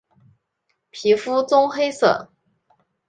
皮肤棕黑色。